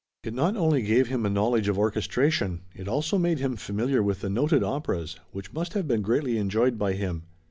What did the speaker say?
It not only gave him a knowledge of orchestration; it also made him familiar with the noted operas, which must have been greatly enjoyed by him.